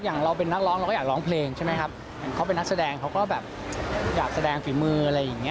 อย่างเราเป็นนักร้องเราก็อยากร้องเพลงใช่ไหมครับเห็นเขาเป็นนักแสดงเขาก็แบบอยากแสดงฝีมืออะไรอย่างเงี้